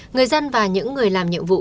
người dân và những người làm nhiệm vụ